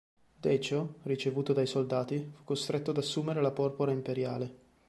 Decio, ricevuto dai soldati, fu costretto ad assumere la porpora imperiale.